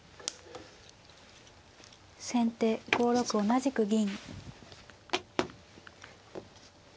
先手５六同じく銀。